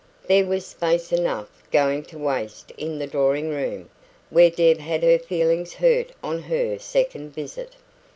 There was space enough going to waste in the drawing room, where Deb had her feelings hurt on her second visit.